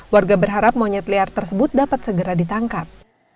warga berharap monyet liar tersebut dapat segera ditangkap